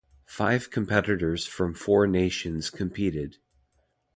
Five competitors from four nations competed.